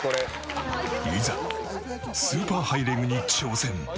いざスーパーハイレグに挑戦。